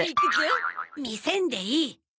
見せんでいい。